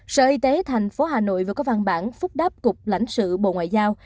sở y tế thành phố hà nội vừa có văn bản phúc đáp cục lãnh sự bộ ngoại giao